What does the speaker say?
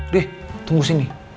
dih tunggu sini